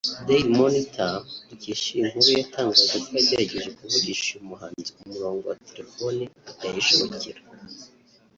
Dail monitor dukesha iyi nkuru yatangaje ko yagerageje kuvugisha uyu muhanzi ku murongo wa telefone ntibyayishobokera